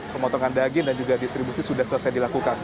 pemotongan daging dan juga distribusi sudah selesai dilakukan